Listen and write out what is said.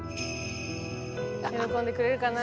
喜んでくれるかなあ。